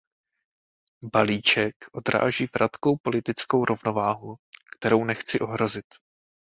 Balíček odráží vratkou politickou rovnováhu, kterou nechci ohrozit.